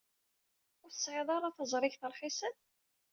Ur tesɛid ara taẓrigt rxisen?